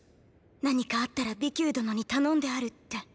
何かあったら微久殿に頼んであるって。